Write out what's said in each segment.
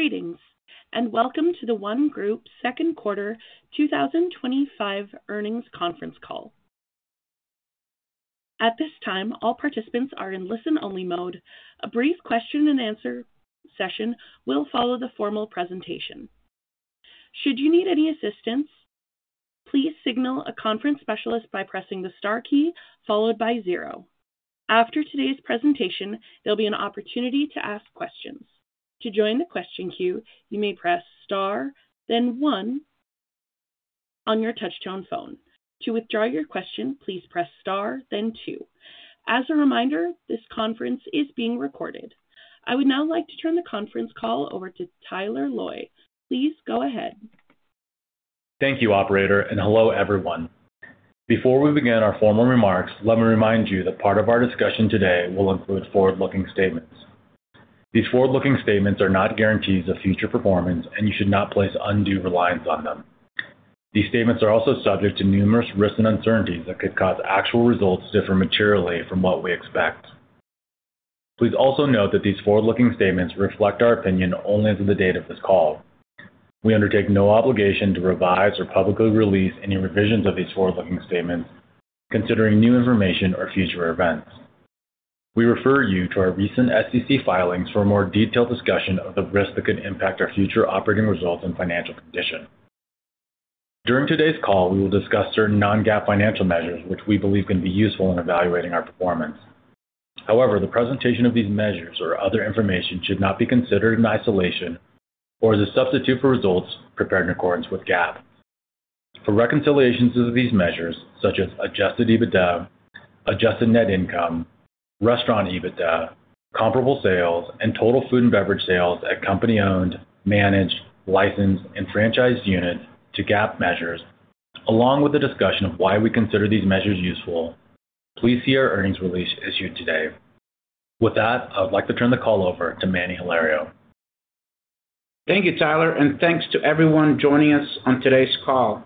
Greetings, and welcome to The ONE Group's second quarter 2025 earnings conference call. At this time, all participants are in listen-only mode. A brief question-and-answer session will follow the formal presentation. Should you need any assistance, please signal a conference specialist by pressing the star key followed by zero. After today's presentation, there'll be an opportunity to ask questions. To join the question queue, you may press star, then one on your touch-tone phone. To withdraw your question, please press star, then two. As a reminder, this conference is being recorded. I would now like to turn the conference call over to Tyler Loy. Please go ahead. Thank you, Operator, and hello everyone. Before we begin our formal remarks, let me remind you that part of our discussion today will include forward-looking statements. These forward-looking statements are not guarantees of future performance, and you should not place undue reliance on them. These statements are also subject to numerous risks and uncertainties that could cause actual results to differ materially from what we expect. Please also note that these forward-looking statements reflect our opinion only as of the date of this call. We undertake no obligation to revise or publicly release any revisions of these forward-looking statements, considering new information or future events. We refer you to our recent SEC filings for a more detailed discussion of the risks that could impact our future operating results and financial condition. During today's call, we will discuss certain non-GAAP financial measures, which we believe can be useful in evaluating our performance. However, the presentation of these measures or other information should not be considered in isolation or as a substitute for results prepared in accordance with GAAP. For reconciliations of these measures, such as adjusted EBITDA, adjusted net income, restaurant EBITDA, comparable sales, and total food and beverage sales at company-owned, managed, licensed, and franchised units to GAAP measures, along with a discussion of why we consider these measures useful, please see our earnings release issued today. With that, I would like to turn the call over to Manny Hilario. Thank you, Tyler, and thanks to everyone joining us on today's call.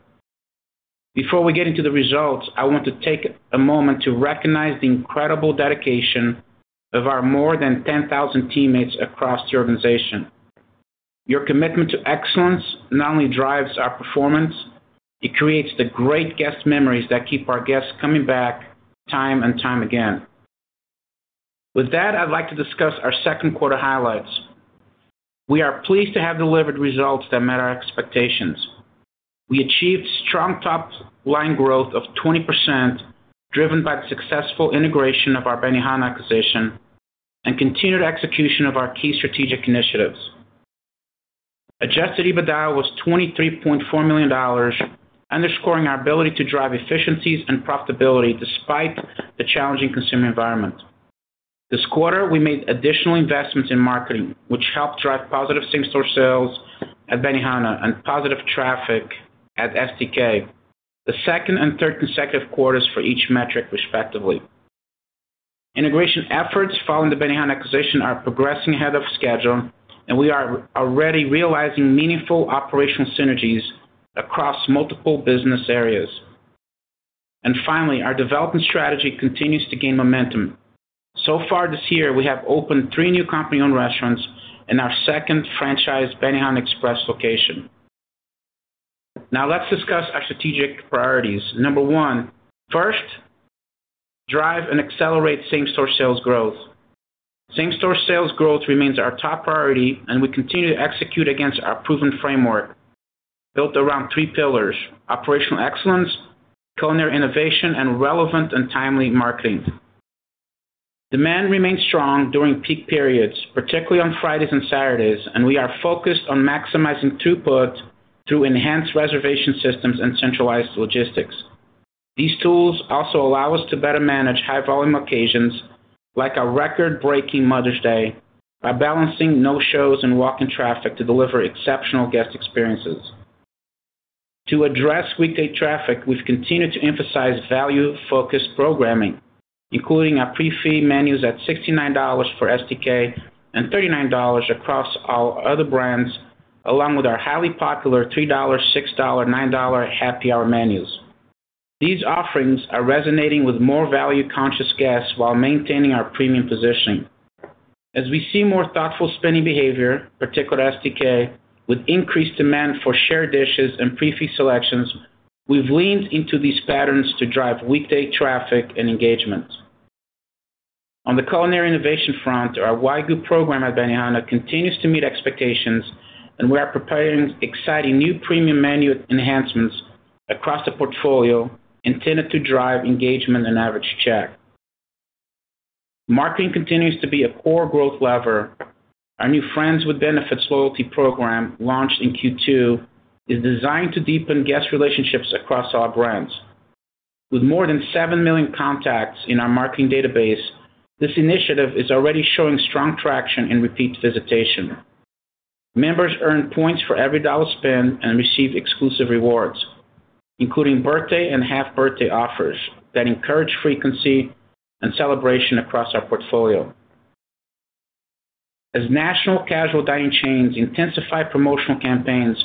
Before we get into the results, I want to take a moment to recognize the incredible dedication of our more than 10,000 teammates across the organization. Your commitment to excellence not only drives our performance, it creates the great guest memories that keep our guests coming back time and time again. With that, I'd like to discuss our second quarter highlights. We are pleased to have delivered results that met our expectations. We achieved strong top-line growth of 20%, driven by the successful integration of our Benihana acquisition and continued execution of our key strategic initiatives. Adjusted EBITDA was $23.4 million, underscoring our ability to drive efficiencies and profitability despite the challenging consumer environment. This quarter, we made additional investments in marketing, which helped drive positive same-store sales at Benihana and positive traffic at STK, the second and third consecutive quarters for each metric, respectively. Integration efforts following the Benihana acquisition are progressing ahead of schedule, and we are already realizing meaningful operational synergies across multiple business areas. Finally, our development strategy continues to gain momentum. So far this year, we have opened three new company-owned restaurants and our second franchised Benihana Express location. Now let's discuss our strategic priorities. Number one, first, drive and accelerate same-store sales growth. Same-store sales growth remains our top priority, and we continue to execute against our proven framework built around three pillars: operational excellence, culinary innovation, and relevant and timely marketing. Demand remains strong during peak periods, particularly on Fridays and Saturdays, and we are focused on maximizing throughput through enhanced reservation systems and centralized logistics. These tools also allow us to better manage high-volume occasions like our record-breaking Mother's Day, by balancing no-shows and walk-in traffic to deliver exceptional guest experiences. To address weekday traffic, we've continued to emphasize value-focused programming, including our pre-fixe menus at $69 for STK and $39 across all other brands, along with our highly popular $3, $6, $9 happy hour menus. These offerings are resonating with more value-conscious guests while maintaining our premium positioning. As we see more thoughtful spending behavior, particularly at STK, with increased demand for shared dishes and pre-fee selections, we've leaned into these patterns to drive weekday traffic and engagement. On the culinary innovation front, our [Y Group] program at Benihana continues to meet expectations, and we are preparing exciting new premium menu enhancements across the portfolio intended to drive engagement and average check. Marketing continues to be a core growth lever. Our new Friends with Benefits loyalty program, launched in Q2, is designed to deepen guest relationships across all brands. With more than 7 million contacts in our marketing database, this initiative is already showing strong traction and repeat visitation. Members earn points for every dollar spent and receive exclusive rewards, including birthday and half-birthday offers that encourage frequency and celebration across our portfolio. As national casual dining chains intensify promotional campaigns,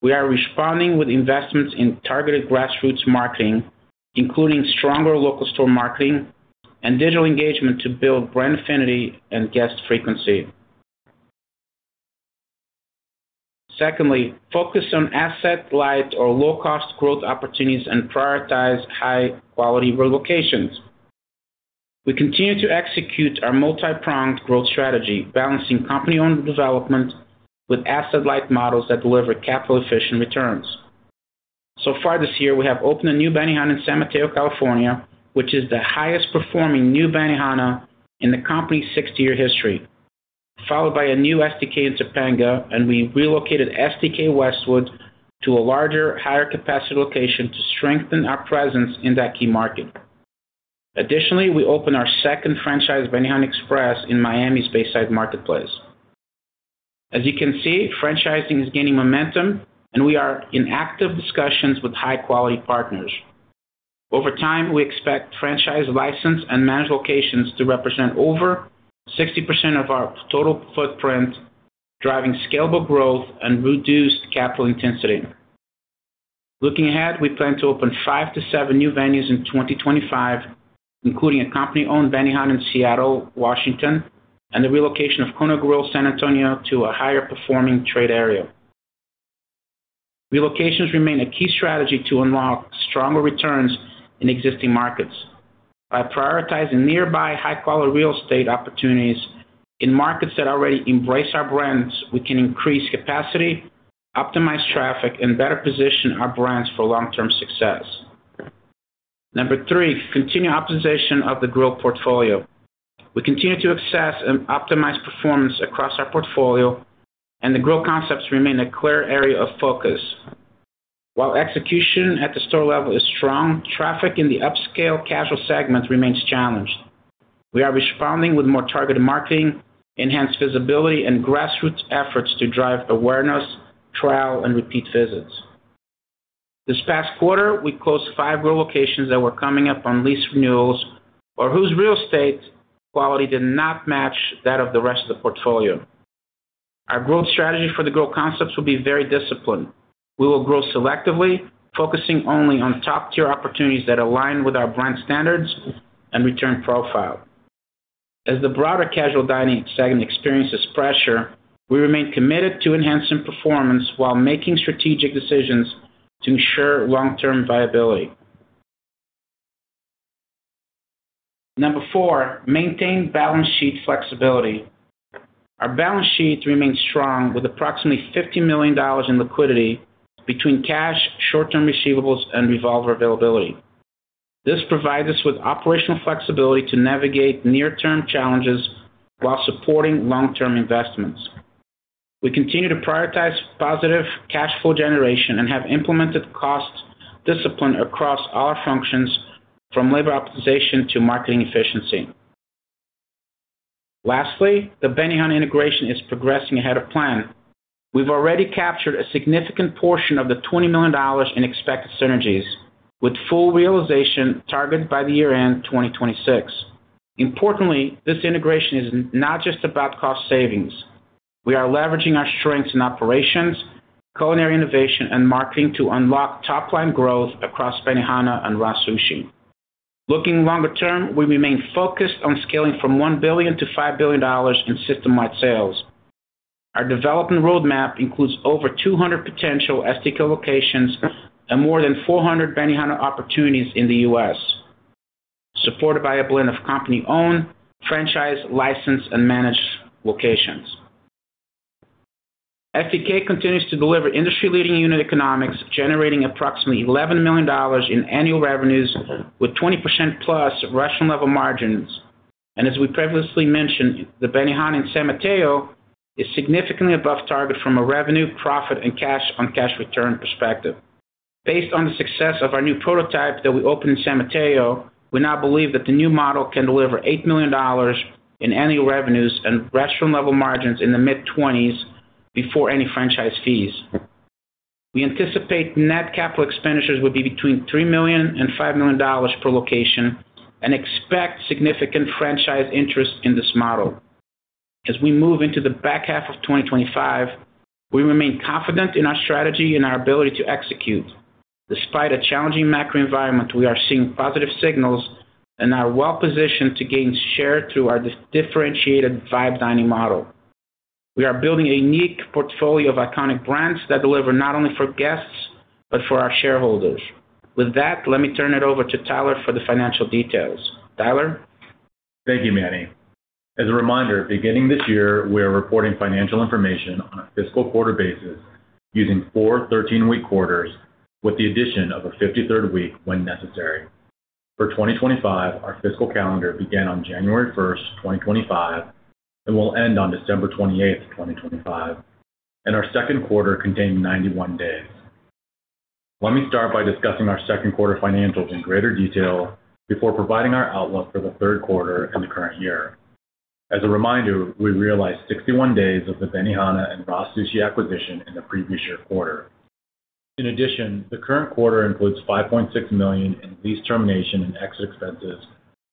we are responding with investments in targeted grassroots marketing, including stronger local store marketing and digital engagement to build brand affinity and guest frequency. Secondly, focus on asset-light or low-cost growth opportunities and prioritize high-quality relocations. We continue to execute our multi-pronged growth strategy, balancing company-owned development with asset-light models that deliver capital-efficient returns. This year, we have opened a new Benihana in San Mateo, California, which is the highest performing new Benihana in the company's 60-year history, followed by a new STK in Topanga, and we relocated STK Westwood to a larger, higher-capacity location to strengthen our presence in that key market. Additionally, we opened our second franchise, Benihana Express, in Miami's Bayside Marketplace. As you can see, franchising is gaining momentum, and we are in active discussions with high-quality partners. Over time, we expect franchise, license, and managed locations to represent over 60% of our total footprint, driving scalable growth and reduced capital intensity. Looking ahead, we plan to open five to seven new venues in 2025, including a company-owned Benihana in Seattle, Washington, and the relocation of Kona Grill, San Antonio, to a higher-performing trade area. Relocations remain a key strategy to unlock stronger returns in existing markets. By prioritizing nearby high-quality real estate opportunities in markets that already embrace our brands, we can increase capacity, optimize traffic, and better position our brands for long-term success. Number three, continue optimization of the Grill portfolio. We continue to assess and optimize performance across our portfolio, and the Grill concepts remain a clear area of focus. While execution at the store level is strong, traffic in the upscale casual segments remains challenged. We are responding with more targeted marketing, enhanced visibility, and grassroots efforts to drive awareness, trial, and repeat visits. This past quarter, we closed five Grill locations that were coming up on lease renewals or whose real estate quality did not match that of the rest of the portfolio. Our growth strategy for the Grill concepts will be very disciplined. We will grow selectively, focusing only on top-tier opportunities that align with our brand standards and return profile. As the broader casual dining segment experiences pressure, we remain committed to enhancing performance while making strategic decisions to ensure long-term viability. Number four, maintain balance sheet flexibility. Our balance sheet remains strong, with approximately $50 million in liquidity between cash, short-term receivables, and revolver availability. This provides us with operational flexibility to navigate near-term challenges while supporting long-term investments. We continue to prioritize positive cash flow generation and have implemented cost discipline across all our functions, from labor optimization to marketing efficiency. Lastly, the Benihana integration is progressing ahead of plan. We've already captured a significant portion of the $20 million in expected synergies, with full realization targeted by the year-end 2026. Importantly, this integration is not just about cost savings. We are leveraging our strengths in operations, culinary innovation, and marketing to unlock top-line growth across Benihana and RA Sushi. Looking longer term, we remain focused on scaling from $1 billion-$5 billion in system-wide sales. Our development roadmap includes over 200 potential STK locations and more than 400 Benihana opportunities in the U.S., supported by a blend of company-owned, franchised, licensed, and managed locations. STK continues to deliver industry-leading unit economics, generating approximately $11 million in annual revenues, with 20%+ restaurant-level margins. As we previously mentioned, the Benihana in San Mateo is significantly above target from a revenue, profit, and cash-on-cash return perspective. Based on the success of our new prototype that we opened in San Mateo, we now believe that the new model can deliver $8 million in annual revenues and restaurant-level margins in the mid-20% before any franchise fees. We anticipate net capital expenditures will be between $3 million and $5 million per location and expect significant franchise interest in this model. As we move into the back half of 2025, we remain confident in our strategy and our ability to execute. Despite a challenging macro environment, we are seeing positive signals and are well-positioned to gain share through our differentiated vibe dining model. We are building a unique portfolio of iconic brands that deliver not only for guests but for our shareholders. With that, let me turn it over to Tyler for the financial details. Tyler? Thank you, Manny. As a reminder, beginning this year, we are reporting financial information on a fiscal quarter basis using four 13-week quarters, with the addition of a 53rd week when necessary. For 2025, our fiscal calendar began on January 1, 2025, and will end on December 28, 2025. Our second quarter contains 91 days. Let me start by discussing our second quarter financials in greater detail before providing our outlook for the third quarter in the current year. As a reminder, we realized 61 days of the Benihana and RA Sushi acquisition in the previous year's quarter. In addition, the current quarter includes $5.6 million in lease termination and exit expenses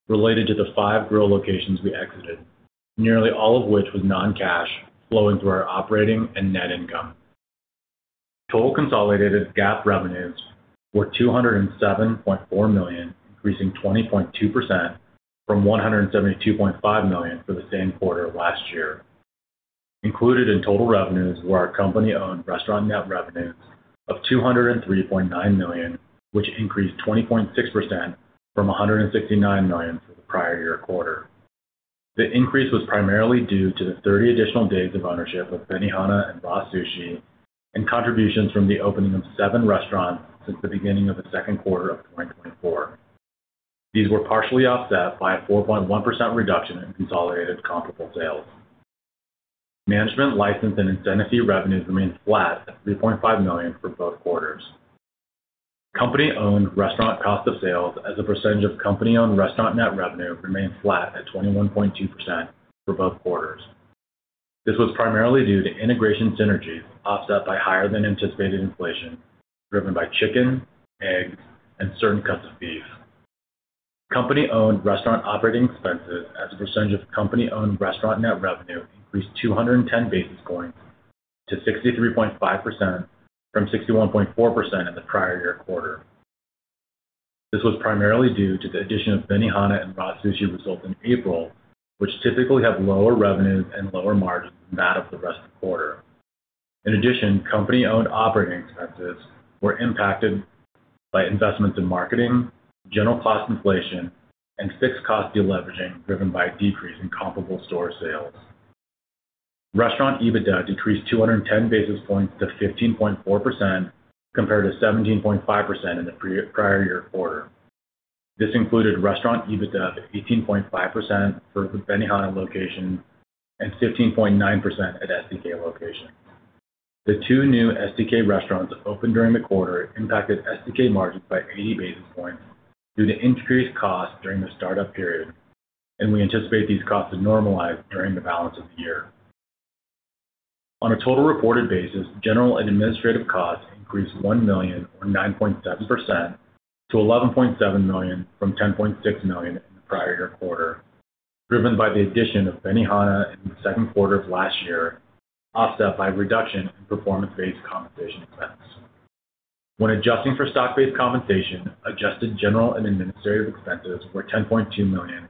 related to the five Grill locations we exited, nearly all of which was non-cash flowing through our operating and net income. Total consolidated GAAP revenues were $207.4 million, increasing 20.2% from $172.5 million for the same quarter last year. Included in total revenues were our company-owned restaurant net revenue of $203.9 million, which increased 20.6% from $169 million for the prior year quarter. The increase was primarily due to the 30 additional days of ownership of Benihana and RA Sushi and contributions from the opening of seven restaurants since the beginning of the second quarter of 2024. These were partially offset by a 4.1% reduction in consolidated comparable sales. Management license and incentive fee revenues remained flat at $3.5 million for both quarters. Company-owned restaurant cost of sales as a percentage of company-owned restaurant net revenue remained flat at 21.2% for both quarters. This was primarily due to integration synergy offset by higher than anticipated inflation driven by chicken, egg, and certain cuts of beef. Company-owned restaurant operating expenses as a percentage of company-owned restaurant net revenue increased 210 basis points to 63.5% from 61.4% at the prior year quarter. This was primarily due to the addition of Benihana and RA Sushi results in April, which typically have lower revenues and lower margins than that of the rest of the quarter. In addition, company-owned operating expenses were impacted by investments in marketing, general cost inflation, and fixed cost de-leveraging driven by a decrease in comparable store sales. Restaurant EBITDA decreased 210 basis points to 15.4% compared to 17.5% in the prior year quarter. This included restaurant EBITDA of 18.5% for the Benihana location and 15.9% at STK location. The two new STK restaurants opened during the quarter impacted STK margins by 80 basis points due to increased costs during the startup period, and we anticipate these costs to normalize during the balance of the year. On a total reported basis, general administrative costs increased $1 million or 9.7% to $11.7 million from $10.6 million in the prior year quarter, driven by the addition of Benihana in the second quarter of last year, offset by reduction in performance-based compensation expense. When adjusting for stock-based compensation, adjusted general and administrative expenses were $10.2 million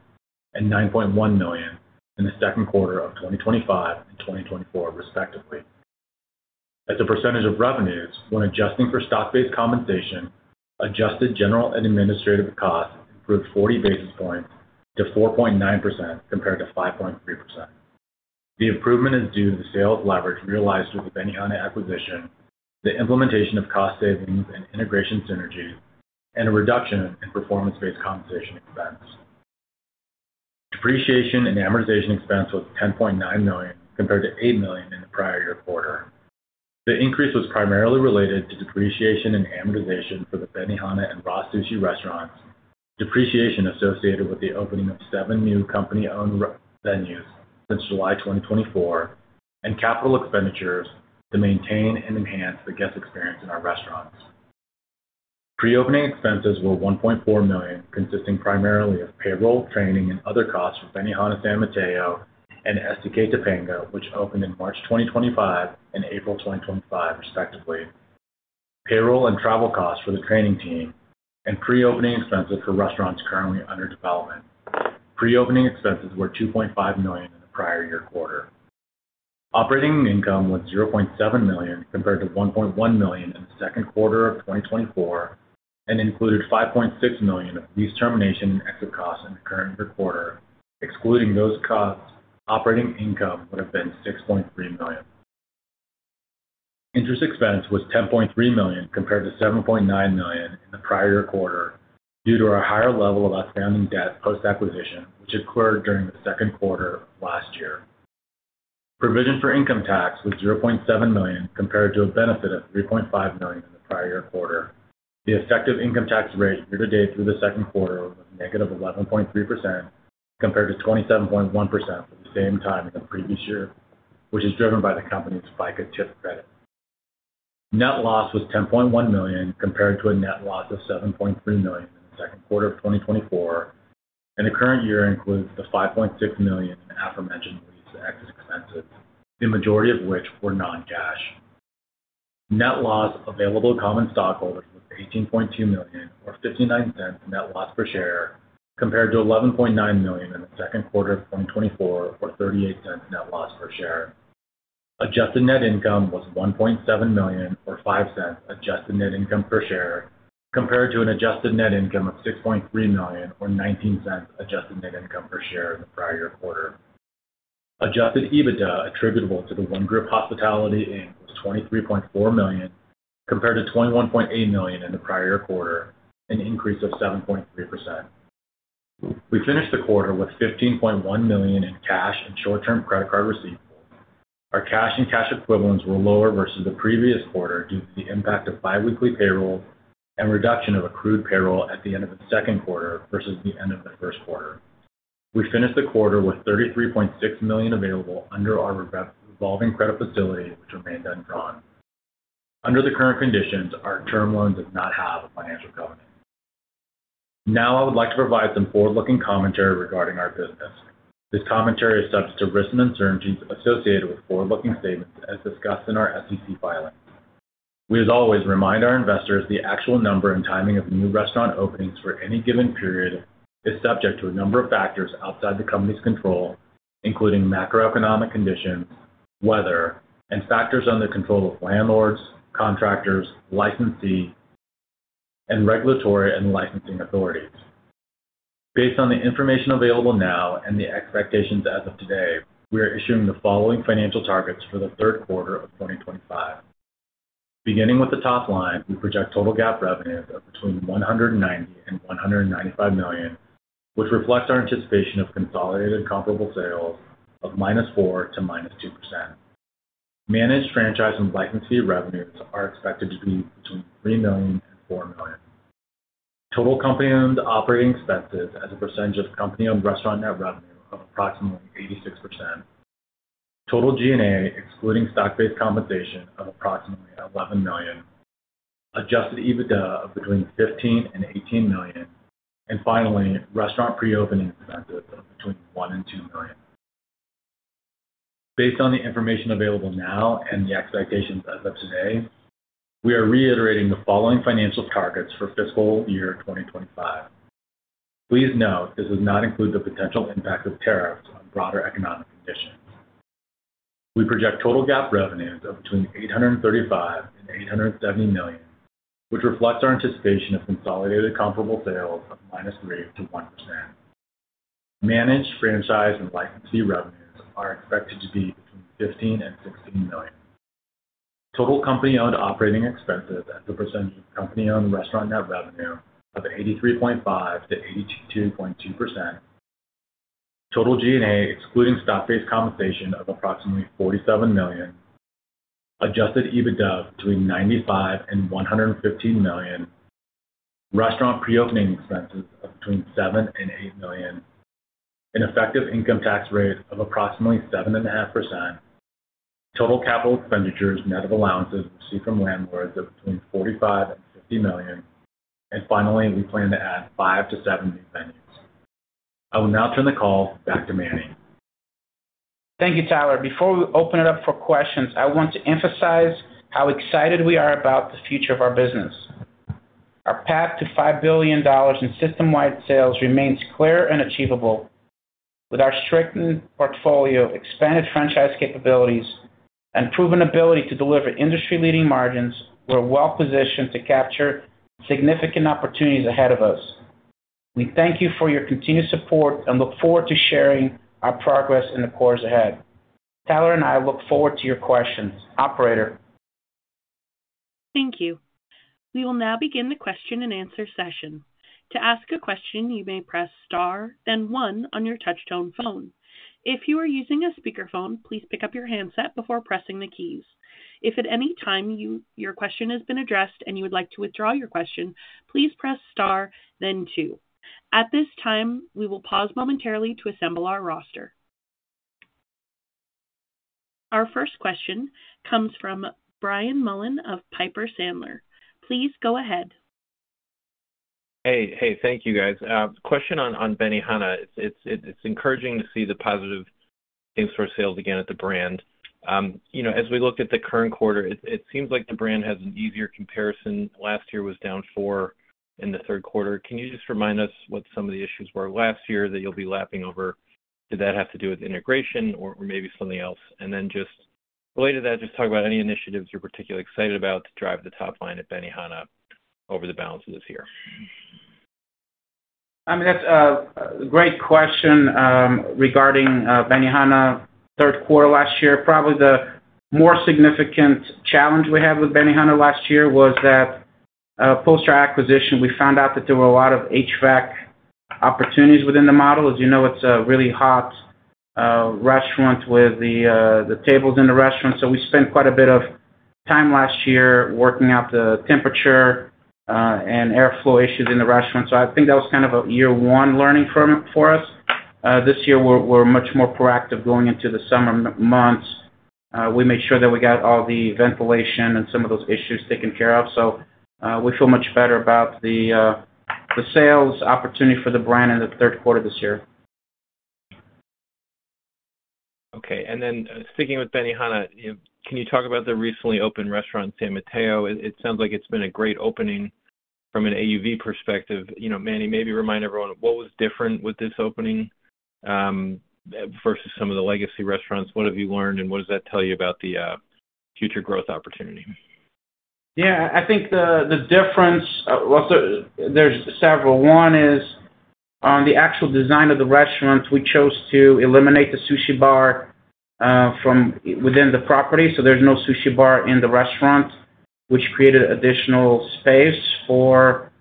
and $9.1 million in the second quarter of 2025 and 2024, respectively. As a percentage of revenues, when adjusting for stock-based compensation, adjusted general and administrative costs improved 40 basis points to 4.9% compared to 5.3%. The improvement is due to the sales leverage realized through the Benihana acquisition, the implementation of cost savings and integration synergies, and a reduction in performance-based compensation expense. Depreciation and amortization expense was $10.9 million compared to $8 million in the prior year quarter. The increase was primarily related to depreciation and amortization for the Benihana and RA Sushi restaurants, depreciation associated with the opening of seven new company-owned venues since July 2024, and capital expenditures to maintain and enhance the guest experience in our restaurants. Pre-opening expenses were $1.4 million, consisting primarily of payroll, training, and other costs for Benihana San Mateo and STK Topanga, which opened in March 2025 and April 2025, respectively. Payroll and travel costs for the training team and pre-opening expenses for restaurants currently under development. Pre-opening expenses were $2.5 million in the prior year quarter. Operating income was $0.7 million compared to $1.1 million in the second quarter of 2024 and included $5.6 million in lease termination and exit costs in the current year quarter. Excluding those costs, operating income would have been $6.3 million. Interest expense was $10.3 million compared to $7.9 million in the prior year quarter due to our higher level of outstanding debt post-acquisition, which occurred during the second quarter of last year. Provision for income tax was $0.7 million compared to a benefit of $3.5 million in the prior year quarter. The effective income tax rate for the day through the second quarter was -11.3% compared to 27.1% at the same time in the previous year, which is driven by the company's FICA TIF credit. Net loss was $10.1 million compared to a net loss of $7.3 million in the second quarter of 2024, and the current year includes the $5.6 million aforementioned excess expenses, the majority of which were non-cash. Net loss available to common stockholders was $18.2 million or $0.59 net loss per share compared to $11.9 million in the second quarter of 2024 or $0.38 net loss per share. Adjusted net income was $1.7 million or $0.05 adjusted net income per share compared to an adjusted net income of $6.3 million or $0.19 adjusted net income per share in the prior year quarter. Adjusted EBITDA attributable to The ONE Group Hospitality, Inc. was $23.4 million compared to $21.8 million in the prior year quarter, an increase of 7.3%. We finished the quarter with $15.1 million in cash and short-term credit card receipts. Our cash and cash equivalents were lower versus the previous quarter due to the impact of biweekly payroll and reduction of accrued payroll at the end of the second quarter versus the end of the first quarter. We finished the quarter with $33.6 million available under our revolving credit facility, which remained undrawn. Under the current conditions, our term loans do not have a financial covenant. Now I would like to provide some forward-looking commentary regarding our business. This commentary is subject to risks and uncertainties associated with forward-looking statements as discussed in our SEC filing. We, as always, remind our investors the actual number and timing of new restaurant openings for any given period is subject to a number of factors outside the company's control, including macroeconomic conditions, weather, and factors under control of landlords, contractors, licensee, and regulatory and licensing authorities. Based on the information available now and the expectations as of today, we are issuing the following financial targets for the third quarter of 2025. Beginning with the top line, we project total GAAP revenues of between $190 million and $195 million, which reflects our anticipation of consolidated comparable sales of -4% to -2%. Managed franchise and licensee revenues are expected to be between $3 million and $4 million. Total company-owned operating expenses as a percentage of company-owned restaurant net revenue is approximately 86%. Total G&A, excluding stock-based compensation, is approximately $11 million. Adjusted EBITDA is between $15 million and $18 million. Finally, restaurant pre-opening expenses are between $1 million and $2 million. Based on the information available now and the expectations as of today, we are reiterating the following financial targets for fiscal year 2025. Please note, this does not include the potential impacts of tariffs on broader economic conditions. We project total GAAP revenues of between $835 million and $870 million, which reflects our anticipation of consolidated comparable sales of -3%-1%. Managed franchise and licensee revenues are expected to be between $15 and $16 million. Total company-owned operating expenses as a percentage of company-owned restaurant net revenue of 83.5%-82.2%. Total G&A, excluding stock-based compensation, is approximately $47 million. Adjusted EBITDA is between $95 million and $115 million. Restaurant pre-opening expenses are between $7 million and $8 million. An effective income tax rate of approximately 7.5%. Total capital expenditures net of allowances received from landlords are between $45 million and $50 million. Finally, we plan to add five to seven expenditures. I will now turn the call back to Manny. Thank you, Tyler. Before we open it up for questions, I want to emphasize how excited we are about the future of our business. Our path to $5 billion in system-wide sales remains clear and achievable. With our strengthened portfolio, expanded franchise capabilities, and proven ability to deliver industry-leading margins, we're well-positioned to capture significant opportunities ahead of us. We thank you for your continued support and look forward to sharing our progress in the quarters ahead. Tyler and I look forward to your questions. Operator. Thank you. We will now begin the question and answer session. To ask a question, you may press star, then one on your touch-tone phone. If you are using a speakerphone, please pick up your handset before pressing the keys. If at any time your question has been addressed and you would like to withdraw your question, please press star, then two. At this time, we will pause momentarily to assemble our roster. Our first question comes from Brian Mullen of Piper Sandler. Please go ahead. Hey, thank you, guys. Question on Benihana. It's encouraging to see the positive things for sales again at the brand. As we look at the current quarter, it seems like the brand has an easier comparison. Last year was down 4% in the third quarter. Can you just remind us what some of the issues were last year that you'll be lapping over? Did that have to do with integration or maybe something else? Just related to that, talk about any initiatives you're particularly excited about to drive the top line at Benihana over the balance of this year. I mean, that's a great question regarding Benihana third quarter last year. Probably the more significant challenge we had with Benihana last year was that post our acquisition, we found out that there were a lot of HVAC opportunities within the model. As you know, it's a really hot restaurant with the tables in the restaurant. We spent quite a bit of time last year working out the temperature and airflow issues in the restaurant. I think that was kind of a year-one learning for us. This year, we're much more proactive going into the summer months. We made sure that we got all the ventilation and some of those issues taken care of. We feel much better about the sales opportunity for the brand in the third quarter this year. Okay. Speaking with Benihana, can you talk about the recently opened restaurant in San Mateo? It sounds like it's been a great opening from an AUV perspective. Manny, maybe remind everyone what was different with this opening versus some of the legacy restaurants. What have you learned and what does that tell you about the future growth opportunity? Yeah, I think the difference, well, there's several. One is on the actual design of the restaurant, we chose to eliminate the sushi bar from within the property. There's no sushi bar in the restaurant, which created additional space for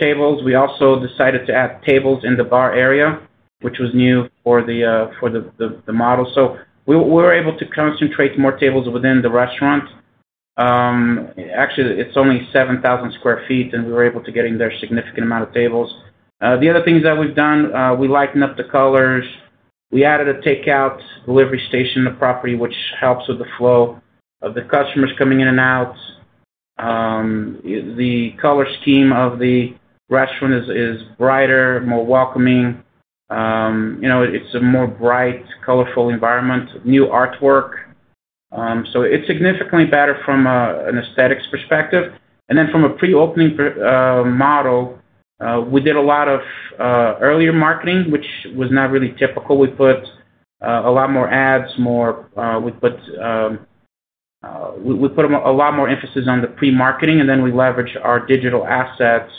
tables. We also decided to add tables in the bar area, which was new for the model. We were able to concentrate more tables within the restaurant. Actually, it's only 7,000 sq ft, and we were able to get in there a significant amount of tables. The other things that we've done, we lightened up the colors. We added a takeout delivery station in the property, which helps with the flow of the customers coming in and out. The color scheme of the restaurant is brighter, more welcoming. It's a more bright, colorful environment, new artwork. It's significantly better from an aesthetics perspective. From a pre-opening model, we did a lot of earlier marketing, which was not really typical. We put a lot more ads, we put a lot more emphasis on the pre-marketing, and we leveraged our digital assets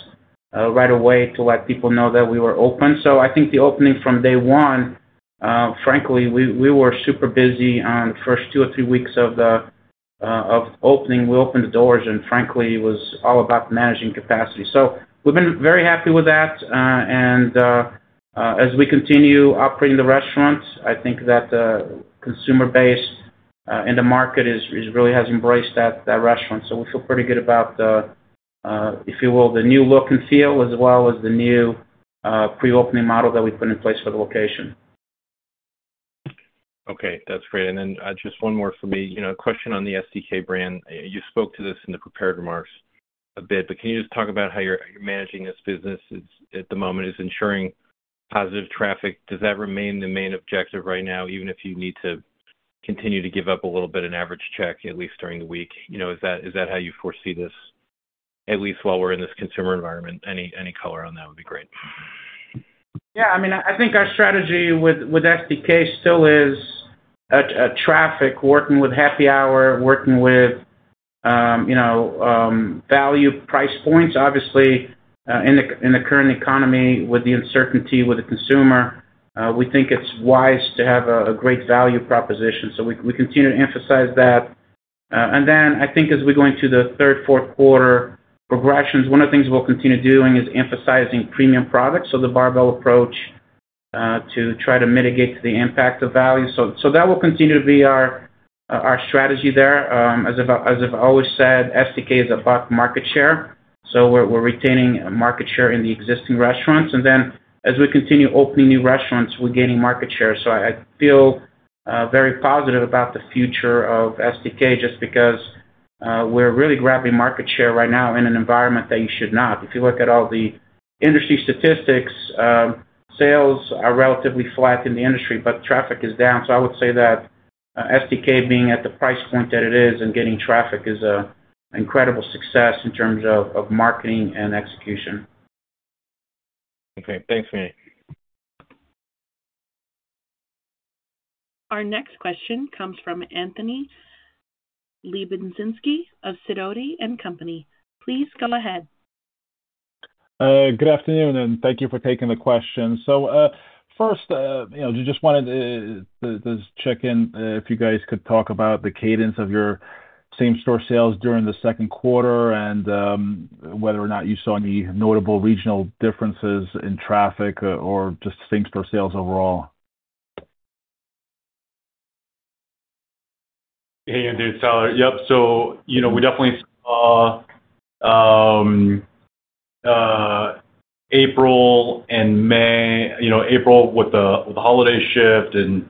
right away to let people know that we were open. I think the opening from day one, frankly, we were super busy on the first two or three weeks of the opening. We opened the doors and frankly it was all about managing capacity. We've been very happy with that. As we continue operating the restaurant, I think that the consumer base in the market really has embraced that restaurant. We feel pretty good about, if you will, the new look and feel as well as the new pre-opening model that we put in place for the location. Okay, that's great. Just one more for me. A question on the STK brand. You spoke to this in the prepared remarks a bit, but can you just talk about how you're managing this business at the moment? Is ensuring positive traffic, does that remain the main objective right now, even if you need to continue to give up a little bit in average check at least during the week? Is that how you foresee this at least while we're in this consumer environment? Any color on that would be great. Yeah, I mean, I think our strategy with STK still is traffic, working with happy hour, working with, you know, value price points. Obviously, in the current economy with the uncertainty with the consumer, we think it's wise to have a great value proposition. We continue to emphasize that. I think as we go into the third, fourth quarter progressions, one of the things we'll continue doing is emphasizing premium products. The barbell approach to try to mitigate the impact of value will continue to be our strategy there. As I've always said, STK is about market share. We're retaining market share in the existing restaurants, and as we continue opening new restaurants, we're gaining market share. I feel very positive about the future of STK just because we're really grabbing market share right now in an environment that you should not. If you look at all the industry statistics, sales are relatively flat in the industry, but traffic is down. I would say that STK being at the price point that it is and getting traffic is an incredible success in terms of marketing and execution. Okay, thanks, Manny. Our next question comes from Anthony Lebiedzinski of Sidoti & Company. Please go ahead. Good afternoon, and thank you for taking the question. First, I just wanted to check in if you guys could talk about the cadence of your same-store sales during the second quarter and whether or not you saw any notable regional differences in traffic or just same-store sales overall. Hey, Tyler. Yep. We definitely saw April and May, April with the holiday shift and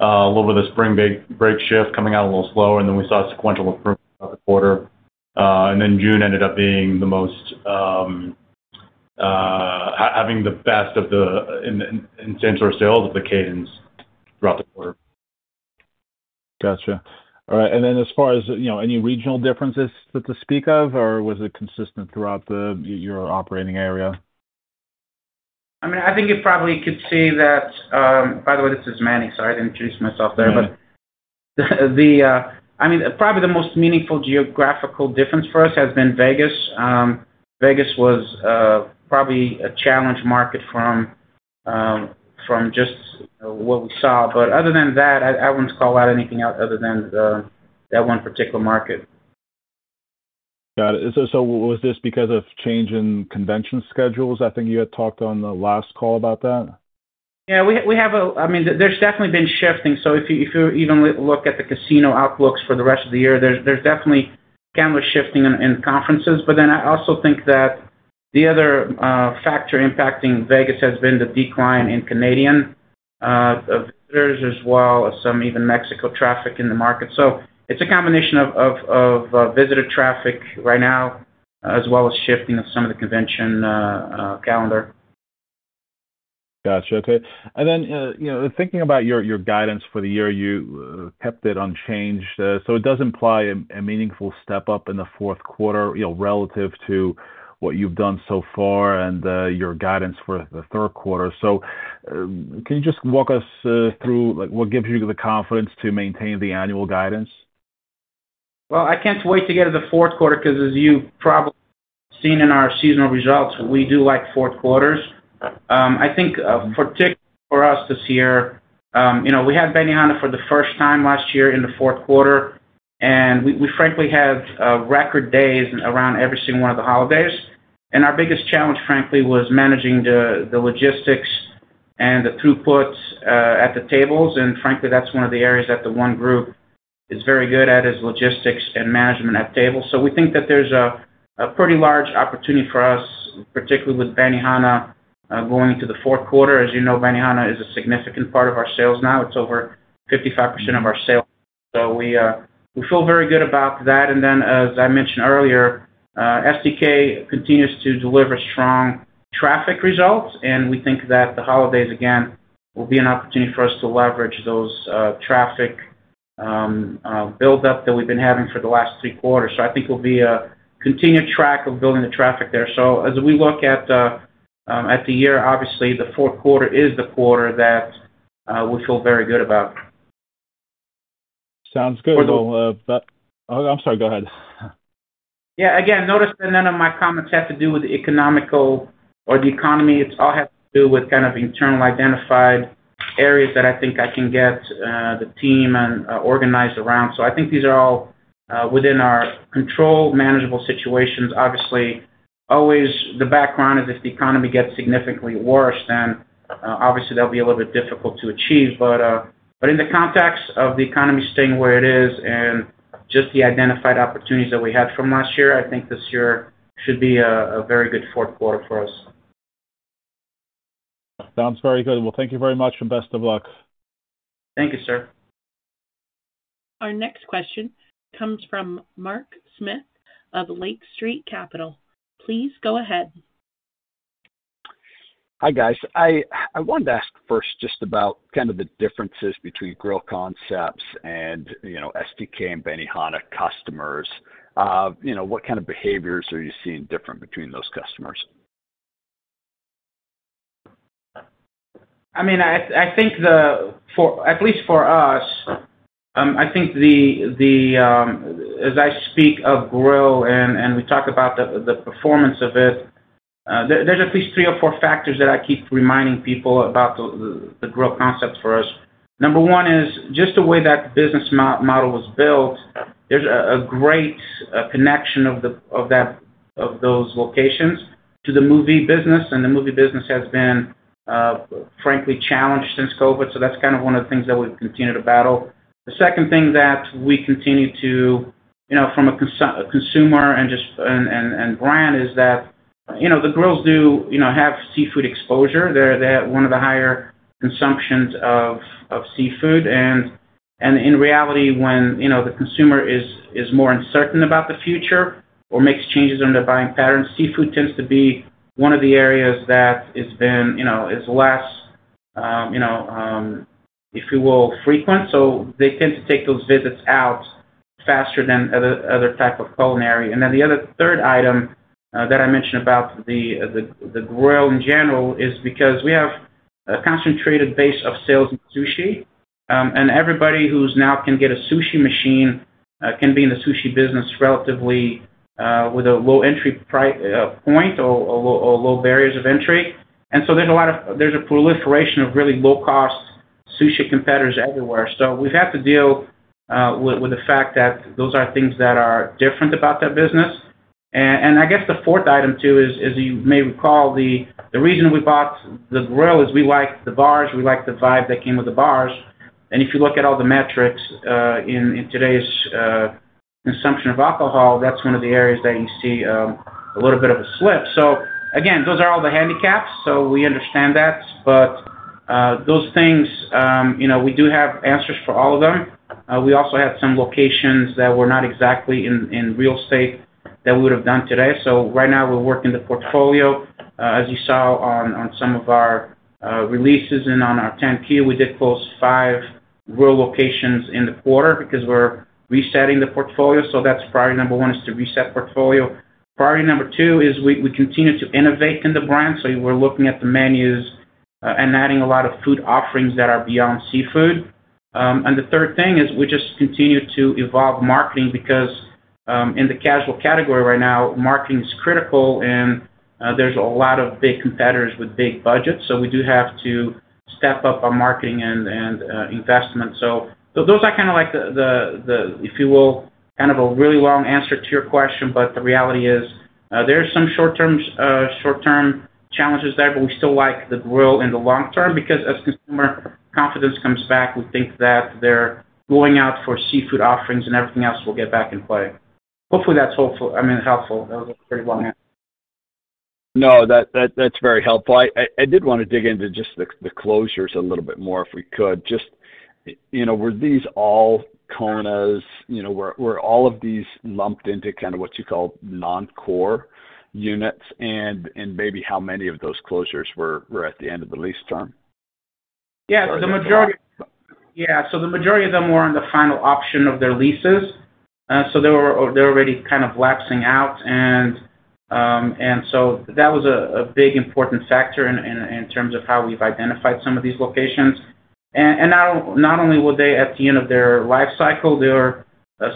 a little bit of the spring break shift coming out a little slower. We saw a sequential improvement throughout the quarter, and June ended up being the most, having the best in same-store sales of the cadence throughout the quarter. Gotcha. All right. As far as any regional differences to speak of, or was it consistent throughout your operating area? I think you probably could see that. By the way, this is Manny, so I didn't introduce myself there. Probably the most meaningful geographical difference for us has been Vegas. Vegas was probably a challenge market from just what we saw. Other than that, I wouldn't call out anything other than that one particular market. Was this because of change in convention schedules? I think you had talked on the last call about that. Yeah, we have, I mean, there's definitely been shifting. If you even look at the casino outlooks for the rest of the year, there's definitely a shifting in conferences. I also think that the other factor impacting Las Vegas has been the decline in Canadian visitors as well as some even Mexico traffic in the market. It's a combination of visitor traffic right now, as well as shifting of some of the convention calendar. Gotcha. Okay. Thinking about your guidance for the year, you kept it unchanged. It does imply a meaningful step up in the fourth quarter relative to what you've done so far and your guidance for the third quarter. Can you just walk us through what gives you the confidence to maintain the annual guidance? I can't wait to get to the fourth quarter because as you've probably seen in our seasonal results, we do like fourth quarters. I think particularly for us this year, you know, we had Benihana for the first time last year in the fourth quarter. We frankly have record days around every single one of the holidays. Our biggest challenge, frankly, was managing the logistics and the throughputs at the tables. That's one of the areas that The ONE Group is very good at, logistics and management at tables. We think that there's a pretty large opportunity for us, particularly with Benihana going into the fourth quarter. As you know, Benihana is a significant part of our sales now. It's over 55% of our sales. We feel very good about that. Then, as I mentioned earlier, STK continues to deliver strong traffic results. We think that the holidays, again, will be an opportunity for us to leverage those traffic buildups that we've been having for the last three quarters. I think we'll be a continued track of building the traffic there. As we look at the year, obviously, the fourth quarter is the quarter that we feel very good about. Sounds good. I'm sorry, go ahead. Yeah, again, notice that none of my comments have to do with the economy. It all has to do with kind of internal identified areas that I think I can get the team organized around. I think these are all within our control, manageable situations. Obviously, always the background is if the economy gets significantly worse, then obviously that'll be a little bit difficult to achieve. In the context of the economy staying where it is and just the identified opportunities that we had from last year, I think this year should be a very good fourth quarter for us. Sounds very good. Thank you very much and best of luck. Thank you, sir. Our next question comes from Mark Smith of Lake Street Capital Markets. Please go ahead. Hi guys. I wanted to ask first just about kind of the differences between Grill Concepts and, you know, STK and Benihana customers. You know, what kind of behaviors are you seeing different between those customers? I think, at least for us, as I speak of Grill and we talk about the performance of it, there's at least three or four factors that I keep reminding people about the Grill Concepts for us. Number one is just the way that the business model was built. There's a great connection of those locations to the movie business, and the movie business has been, frankly, challenged since COVID. That's kind of one of the things that we've continued to battle. The second thing that we continue to, from a consumer and brand perspective, is that the Grills do have seafood exposure. They're one of the higher consumptions of seafood. In reality, when the consumer is more uncertain about the future or makes changes in their buying patterns, seafood tends to be one of the areas that is less frequent. They tend to take those visits out faster than other types of culinary. The third item that I mention about the Grill in general is because we have a concentrated base of sales in sushi. Everybody who now can get a sushi machine can be in the sushi business relatively with a low entry point or low barriers of entry. There's a proliferation of really low-cost sushi competitors everywhere. We've had to deal with the fact that those are things that are different about that business. The fourth item too, as you may recall, the reason we bought the Grill is we like the bars, we like the vibe that came with the bars. If you look at all the metrics in today's consumption of alcohol, that's one of the areas that you see a little bit of a slip. Those are all the handicaps. We understand that. Those things, we do have answers for all of them. We also had some locations that were not exactly in real estate that we would have done today. Right now we're working the portfolio, as you saw on some of our releases and on our 10-Q, we did close five Grill locations in the quarter because we're resetting the portfolio. Priority number one is to reset the portfolio. Priority number two is we continue to innovate in the brand. We're looking at the menus and adding a lot of food offerings that are beyond seafood. The third thing is we just continue to evolve marketing because in the casual category right now, marketing is critical and there's a lot of big competitors with big budgets. We do have to step up our marketing and investment. Those are kind of like the, if you will, kind of a really long answer to your question, but the reality is there are some short-term challenges there, but we still like the Grill in the long term because as consumer confidence comes back, we think that they're going out for seafood offerings and everything else will get back in play. Hopefully, that's helpful. That was a pretty long answer. No, that's very helpful. I did want to dig into just the closures a little bit more if we could. Just, you know, were these all Kona Grill? You know, were all of these lumped into kind of what you call non-core units? Maybe how many of those closures were at the end of the lease term? Yeah, the majority of them were on the final option of their leases. They were already kind of lapsing out. That was a big important factor in terms of how we've identified some of these locations. Not only were they at the end of their life cycle,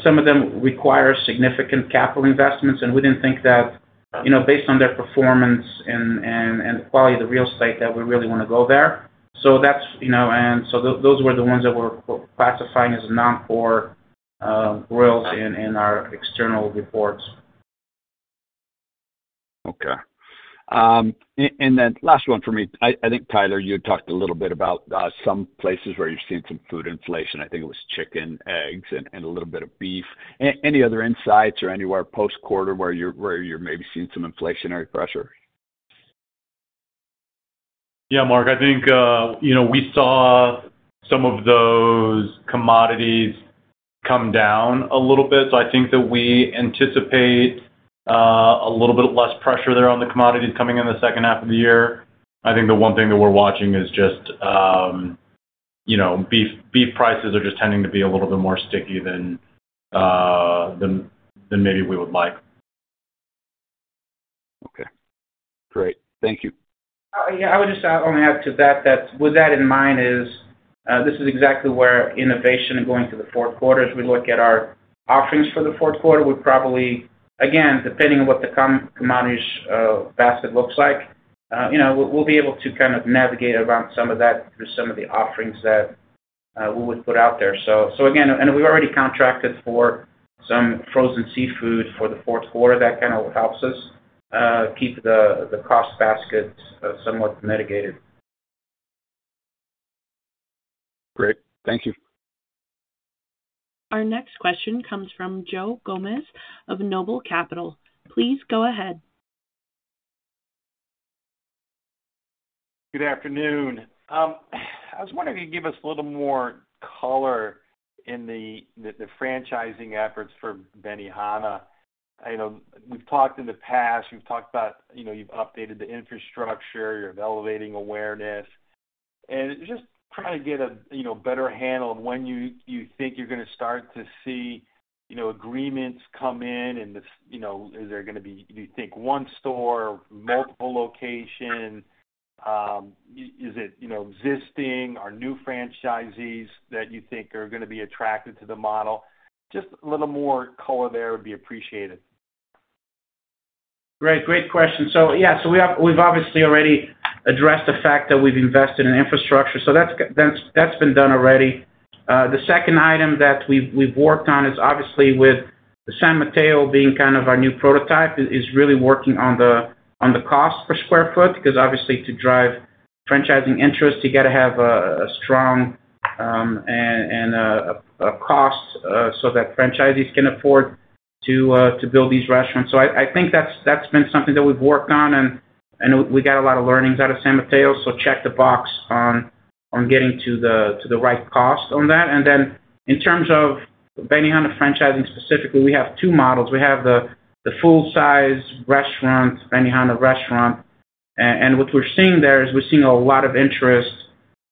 some of them required significant capital investments. We didn't think that, you know, based on their performance and the quality of the real estate that we really want to go there. That's, you know, those were the ones that we're classifying as a non-core Grill in our external reports. Okay. Last one for me. I think, Tyler, you had talked a little bit about some places where you've seen some food inflation. I think it was chicken, eggs, and a little bit of beef. Any other insights or anywhere post-quarter where you're maybe seeing some inflationary pressure? Yeah, Mark, I think we saw some of those commodities come down a little bit. I think that we anticipate a little bit less pressure there on the commodities coming in the second half of the year. I think the one thing that we're watching is just, you know, beef prices are just tending to be a little bit more sticky than maybe we would like. Okay, great. Thank you. Yeah, I would just add to that, that with that in mind, this is exactly where innovation and going through the four quarters, we look at our offerings for the fourth quarter. We probably, again, depending on what the commodities basket looks like, you know, we'll be able to kind of navigate around some of that through some of the offerings that we would put out there. We've already contracted for some frozen seafood for the fourth quarter. That kind of helps us keep the cost basket somewhat mitigated. Great, thank you. Our next question comes from Joe Gomes of Noble Capital. Please go ahead. Good afternoon. I was wondering if you could give us a little more color in the franchising efforts for Benihana. I know we've talked in the past, you've updated the infrastructure, you're elevating awareness. I'm just trying to get a better handle of when you think you're going to start to see agreements come in, and is there going to be, do you think, one store or multiple locations? Is it existing or new franchisees that you think are going to be attracted to the model? Just a little more color there would be appreciated. Great, great question. We've obviously already addressed the fact that we've invested in infrastructure. That's been done already. The second item that we've worked on is with San Mateo being kind of our new prototype, really working on the cost per square foot because obviously to drive franchising interest, you got to have a strong and a cost so that franchisees can afford to build these restaurants. I think that's been something that we've worked on and we got a lot of learnings out of San Mateo. Check the box on getting to the right cost on that. In terms of Benihana franchising specifically, we have two models. We have the full-size restaurant, Benihana restaurant. What we're seeing there is we're seeing a lot of interest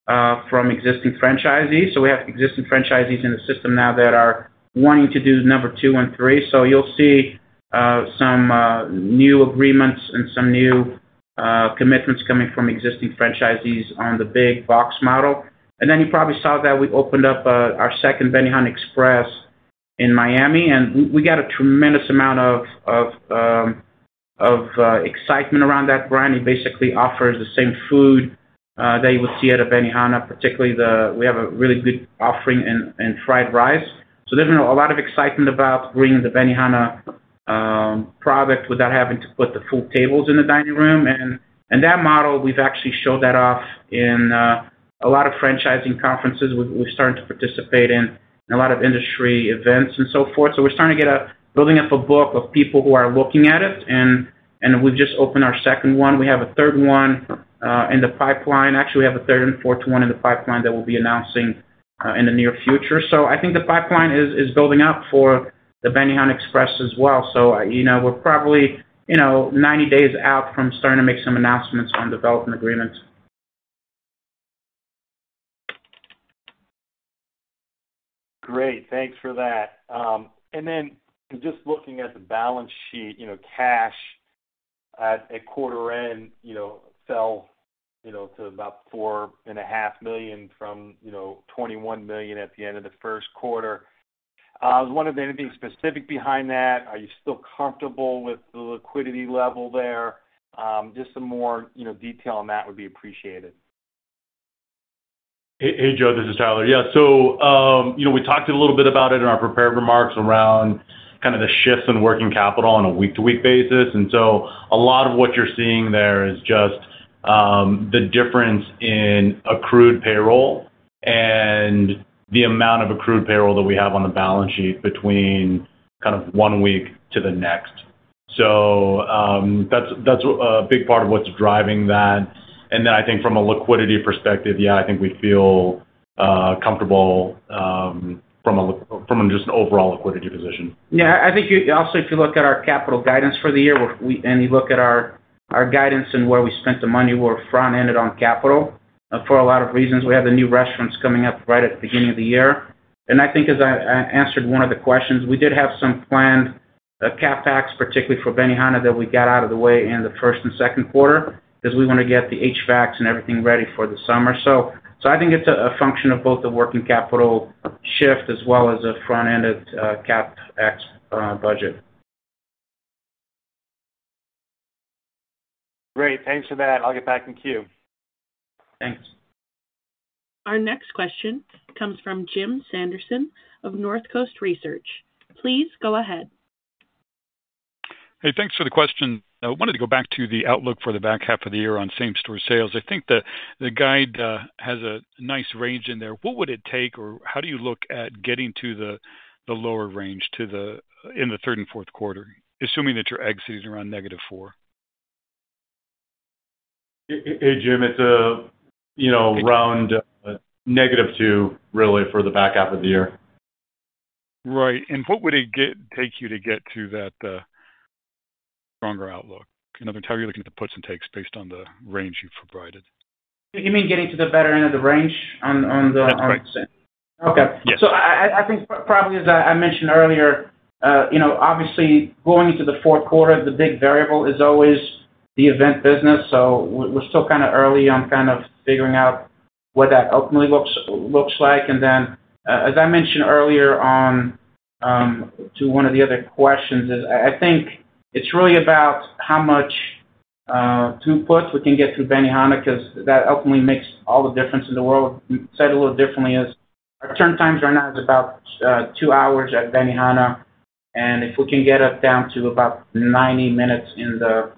from existing franchisees. We have existing franchisees in the system now that are wanting to do number two and three. You'll see some new agreements and some new commitments coming from existing franchisees on the big box model. You probably saw that we opened up our second Benihana Express in Miami. We got a tremendous amount of excitement around that brand. It basically offers the same food that you would see at a Benihana, particularly we have a really good offering in fried rice. There's been a lot of excitement about bringing the Benihana product without having to put the full tables in the dining room. That model, we've actually showed that off in a lot of franchising conferences. We've started to participate in a lot of industry events and so forth. We're starting to get a building of a book of people who are looking at it. We've just opened our second one. We have a third one in the pipeline. Actually, we have a third and fourth one in the pipeline that we'll be announcing in the near future. I think the pipeline is building up for the Benihana Express as well. We're probably 90 days out from starting to make some announcements on development agreements. Great, thanks for that. Just looking at the balance sheet, cash at quarter end fell to about $4.5 million from $21 million at the end of the first quarter. I was wondering, is there anything specific behind that? Are you still comfortable with the liquidity level there? Just some more detail on that would be appreciated. Hey, Joe, this is Tyler. Yeah, we talked a little bit about it in our prepared remarks around kind of the shifts in working capital on a week-to-week basis. A lot of what you're seeing there is just the difference in accrued payroll and the amount of accrued payroll that we have on the balance sheet between kind of one week to the next. That's a big part of what's driving that. I think from a liquidity perspective, yeah, I think we feel comfortable from just an overall liquidity position. Yeah, I think you also, if you look at our capital guidance for the year, and you look at our guidance and where we spent the money, we're front-ended on capital for a lot of reasons. We have the new restaurants coming up right at the beginning of the year. I think, as I answered one of the questions, we did have some planned CapEx, particularly for Benihana, that we got out of the way in the first and second quarter because we want to get the HVACs and everything ready for the summer. I think it's a function of both the working capital shift as well as a front-ended CapEx budget. Great, thanks for that. I'll get back in queue. Thanks. Our next question comes from Jim Sanderson of Northcoast Research. Please go ahead. Hey, thanks for the question. I wanted to go back to the outlook for the back half of the year on same-store sales. I think the guide has a nice range in there. What would it take or how do you look at getting to the lower range in the third and fourth quarter, assuming that your exit is around -4%? Hey, Jim, it's around -2%, really, for the back half of the year. What would it take you to get to that stronger outlook? I'm entirely looking at the puts and takes based on the range you've provided. You mean getting to the better end of the range? Yeah, I'm quite the same. Okay. I think probably, as I mentioned earlier, obviously going into the fourth quarter, the big variable is always the event business. We're still kind of early on figuring out what that ultimately looks like. As I mentioned earlier on to one of the other questions, I think it's really about how much throughput we can get through Benihana because that ultimately makes all the difference in the world. Said a little differently, our turn times right now are about two hours at Benihana. If we can get it down to about 90 minutes in the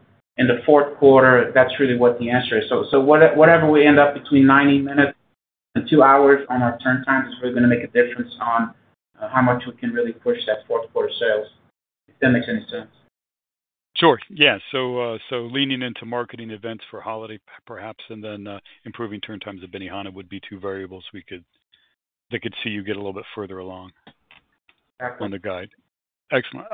fourth quarter, that's really what the answer is. Whatever we end up between 90 minutes and two hours on our turn times is really going to make a difference on how much we can really push that fourth quarter sales, if that makes any sense. Sure. Yeah, leaning into marketing events for holiday perhaps, and then improving turn times at Benihana would be two variables we could see you get a little bit further along. Exactly. On the guide. Excellent.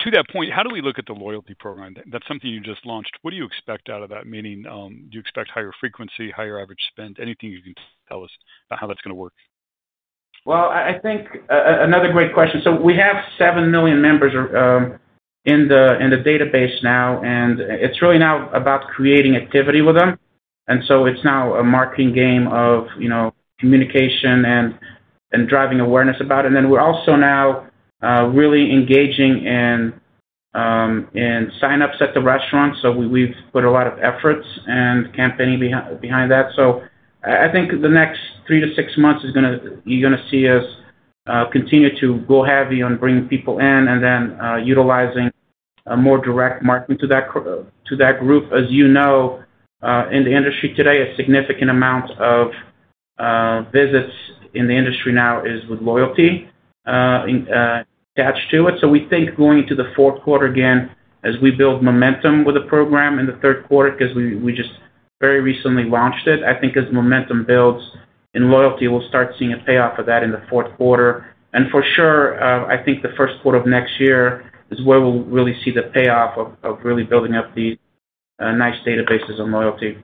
To that point, how do we look at the loyalty program? That's something you just launched. What do you expect out of that? Meaning, do you expect higher frequency, higher average spend? Anything you can tell us about how that's going to work? I think another great question. We have 7 million members in the database now, and it's really now about creating activity with them. It's now a marketing game of, you know, communication and driving awareness about it. We're also now really engaging in sign-ups at the restaurant. We've put a lot of efforts and campaigns behind that. I think the next three to six months, you're going to see us continue to go heavy on bringing people in and then utilizing more direct marketing to that group. As you know, in the industry today, a significant amount of visits in the industry now is with loyalty attached to it. We think going into the fourth quarter again, as we build momentum with the program in the third quarter, because we just very recently launched it, as momentum builds in loyalty, we'll start seeing a payoff of that in the fourth quarter. For sure, I think the first quarter of next year is where we'll really see the payoff of really building up these nice databases and loyalty.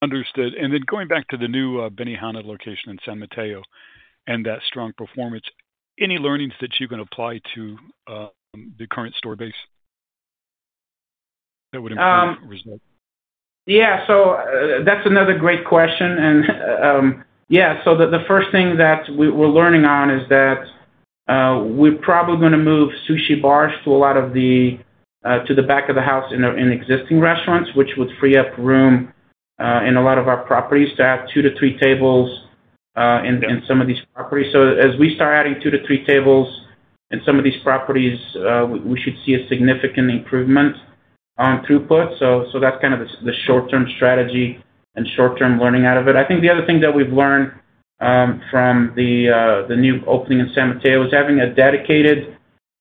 Understood. Going back to the new Benihana location in San Mateo and that strong performance, any learnings that you can apply to the current store base that would improve the result? Yeah, that's another great question. The first thing that we're learning is that we're probably going to move sushi bars to a lot of the back of the house in existing restaurants, which would free up room in a lot of our properties to have two to three tables in some of these properties. As we start adding two to three tables in some of these properties, we should see a significant improvement on throughput. That's kind of the short-term strategy and short-term learning out of it. I think the other thing that we've learned from the new opening in San Mateo is having a dedicated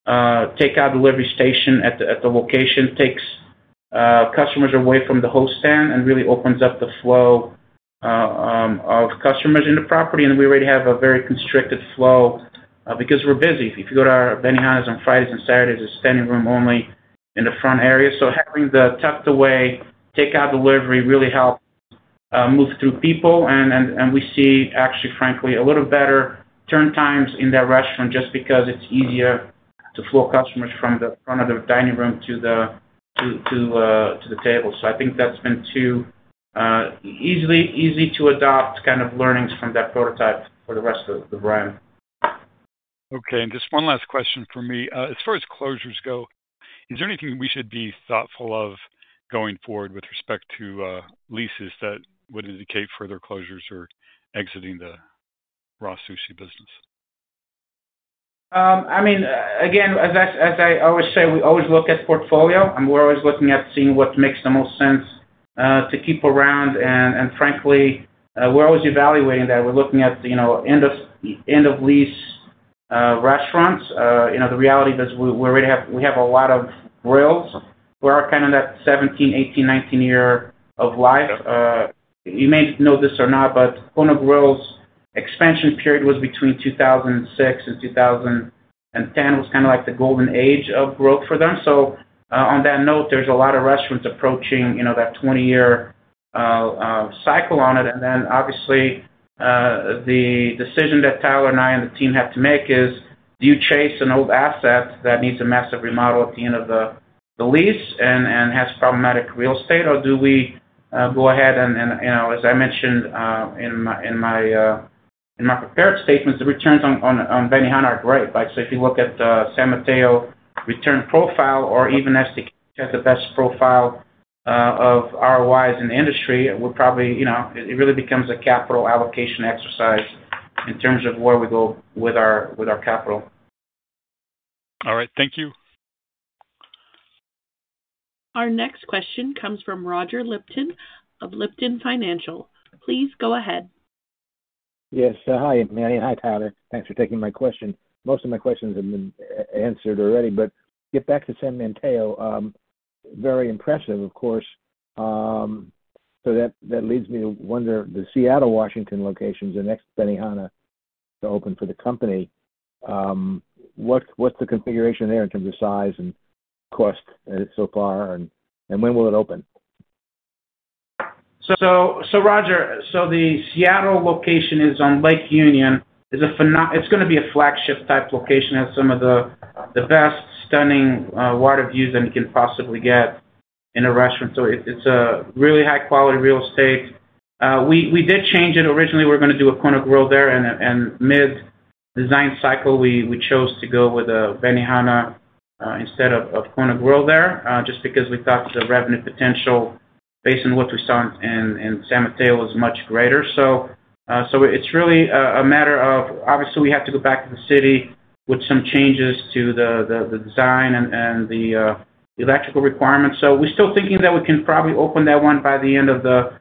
takeout delivery station at the location takes customers away from the host stand and really opens up the flow of customers in the property. We already have a very constricted flow because we're busy. If you go to our Benihana on Fridays and Saturdays, it's standing room only in the front area. Having the tucked away takeout delivery really helps move through people. We see actually, frankly, a little better turn times in that restaurant just because it's easier to flow customers from the front of the dining room to the table. I think that's been two easy to adopt kind of learnings from that prototype for the rest of the brand. Okay. Just one last question for me. As far as closures go, is there anything we should be thoughtful of going forward with respect to leases that would indicate further closures or exiting the RA Sushi business? I mean, again, as I always say, we always look at the portfolio. We're always looking at seeing what makes the most sense to keep around. Frankly, we're always evaluating that. We're looking at end-of-lease restaurants. The reality is we already have a lot of grills who are kind of in that 17, 18, 19 year of life. You may know this or not, but Kona Grill's expansion period was between 2006 and 2010. It was kind of like the golden age of growth for them. On that note, there's a lot of restaurants approaching that 20-year cycle on it. Obviously, the decision that Tyler and I and the team have to make is, do you chase an old asset that needs a massive remodel at the end of the lease and has problematic real estate, or do we go ahead and, as I mentioned in my prepared statements, the returns on Benihana are great. If you look at the San Mateo return profile or even STK's best profile of ROIs in the industry, it really becomes a capital allocation exercise in terms of where we go with our capital. All right. Thank you. Our next question comes from Roger Lipton of Lipton Financial. Please go ahead. Yes. Hi, Manny. Hi, Tyler. Thanks for taking my question. Most of my questions have been answered already, but to get back to San Mateo. Very impressive, of course. That leads me to wonder, the Seattle, Washington locations and next Benihana to open for the company. What's the configuration there in terms of size and cost so far? When will it open? Roger, the Seattle location is on Lake Union. It's going to be a flagship type location. It has some of the best stunning water views that you can possibly get in a restaurant. It's a really high-quality real estate. We did change it. Originally, we were going to do a Kona Grill there, and mid-design cycle, we chose to go with a Benihana instead of Kona Grill there just because we thought the revenue potential based on what we saw in San Mateo was much greater. It's really a matter of, obviously, we have to go back to the city with some changes to the design and the electrical requirements. We're still thinking that we can probably open that one by the end of the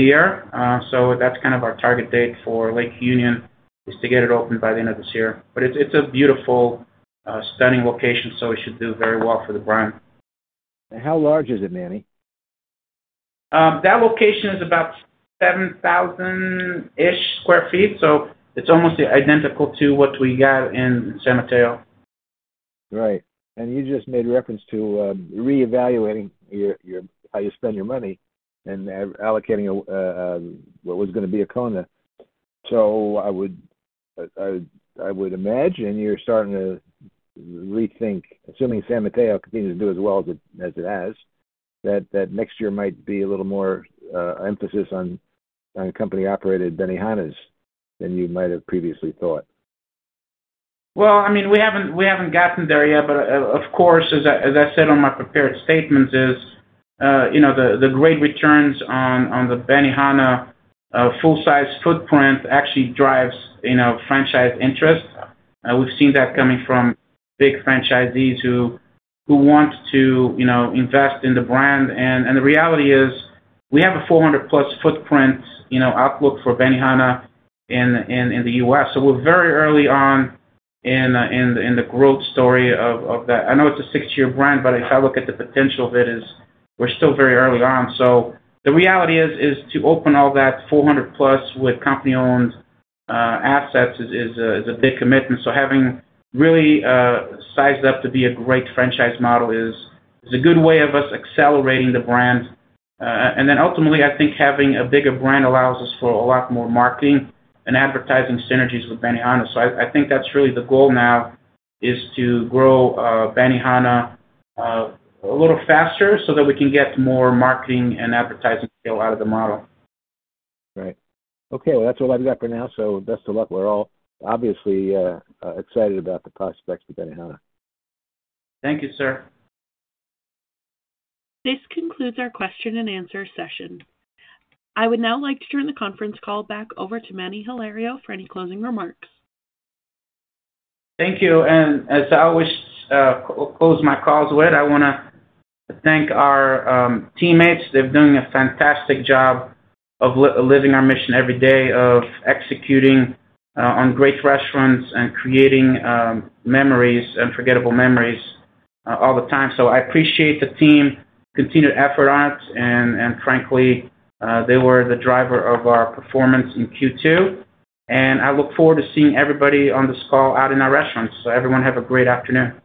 year. That's kind of our target date for Lake Union, to get it open by the end of this year. It's a beautiful, stunning location, so it should do very well for the brand. How large is it, Manny? That location is about 7,000-ish sq ft, so it's almost identical to what we got in San Mateo. Right. You just made reference to reevaluating how you spend your money and allocating what was going to be a Kona. I would imagine you're starting to rethink, assuming San Mateo continues to do as well as it has, that next year might be a little more emphasis on company-operated Benihana's than you might have previously thought. I mean, we haven't gotten there yet, but of course, as I said on my prepared statements, the great returns on the Benihana full-size footprint actually drive franchise interest. We've seen that coming from big franchisees who want to invest in the brand. The reality is we have a 400-plus footprint outlook for Benihana in the U.S. So we're very early on in the growth story of that. I know it's a 60-year brand, but if I look at the potential of it, we're still very early on. The reality is to open all that 400+ with company-owned assets is a big commitment. Having really sized up to be a great franchise model is a good way of us accelerating the brand. Ultimately, I think having a bigger brand allows us for a lot more marketing and advertising synergies with Benihana. I think that's really the goal now, to grow Benihana a little faster so that we can get more marketing and advertising out of the model. Right. Okay, that's all I've got for now. Best of luck. We're all obviously excited about the prospects for Benihana. Thank you, sir. This concludes our question and answer session. I would now like to turn the conference call back over to Manny Hilario for any closing remarks. Thank you. As I always close my calls with, I want to thank our teammates. They're doing a fantastic job of living our mission every day of executing on great restaurants and creating unforgettable memories all the time. I appreciate the team's continued effort on it. Frankly, they were the driver of our performance in Q2. I look forward to seeing everybody on this call out in our restaurants. Everyone have a great afternoon.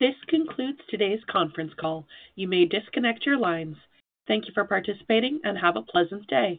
This concludes today's conference call. You may disconnect your lines. Thank you for participating and have a pleasant day.